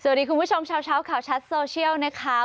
สวัสดีคุณผู้ชมชาวข่าวชัดโซเชียลนะคะ